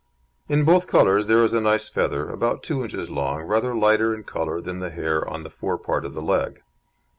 In both colours there is a nice feather, about two inches long, rather lighter in colour than the hair on the fore part of the leg.